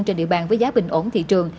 trên địa bàn với giá bình ổn thị trường